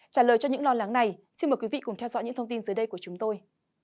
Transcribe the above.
trả lời cho những lo lắng này xin mời quý vị cùng theo dõi những thông tin dưới đây của chúng tôi